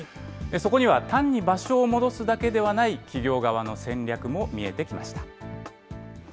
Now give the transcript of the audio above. そこには単に場所を戻すだけではない、企業側の戦略も見えてきました。